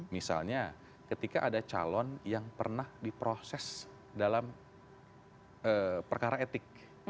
misalnya ketika ada calon yang pernah diproses dalam perkara etik